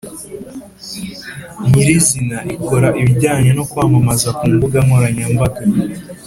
nyiri izina ikora ibijyanye no kwamamaza ku mbuga nkoranyambaga.